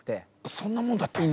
そんなもんだったんですか？